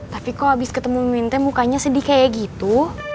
tapi kok abis ketemu miminte mukanya sedih kayak gitu